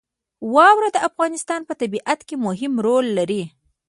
واوره د افغانستان په طبیعت کې مهم رول لري.